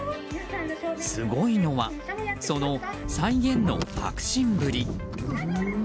すごいのはその再現の迫真ぶり。